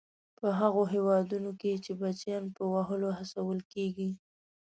په هغو هېوادونو کې چې بچیان په وهلو هڅول کیږي.